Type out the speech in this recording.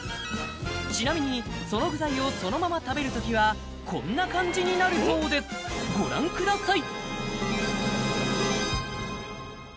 ちなみにその具材をそのまま食べる時はこんな感じになるそうですご覧ください